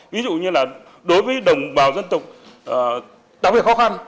ví dụ như là đối với đồng bào dân tộc đặc biệt khó khăn